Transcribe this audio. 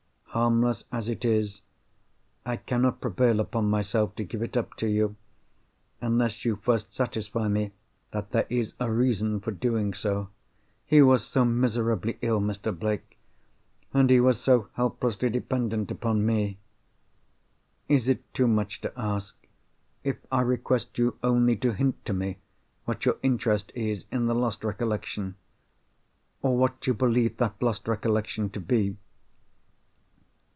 Harmless as it is, I cannot prevail upon myself to give it up to you, unless you first satisfy me that there is a reason for doing so. He was so miserably ill, Mr. Blake! and he was so helplessly dependent upon Me! Is it too much to ask, if I request you only to hint to me what your interest is in the lost recollection—or what you believe that lost recollection to be?"